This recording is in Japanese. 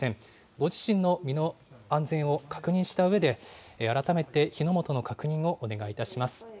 ご自身の身の安全を確認したうえで、改めて火の元の確認をお願いいたします。